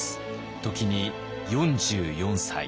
時に４４歳。